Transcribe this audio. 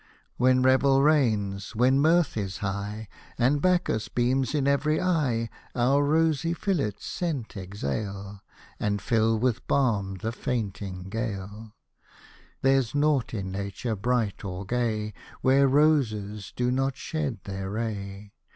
When revel reigns, when mirth is high, And Bacchus beams in every eye Our rosy fillets scent exhale, Hosted by Google ODES OF ANACREON 245 And fill with balm the fainting gale. There's nought in nature bright or gay, Where roses do not shed their ray.